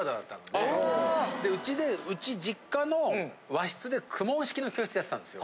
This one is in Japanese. うちでうち実家の和室で公文式の教室やってたんですよ。